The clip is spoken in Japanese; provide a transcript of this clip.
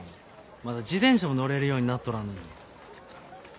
まだ自転車も乗れるようになっとらんのに。